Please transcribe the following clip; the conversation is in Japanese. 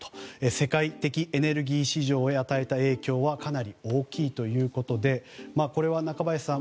世界的エネルギー市場へ与えた影響はかなり大きいということでこれは中林さん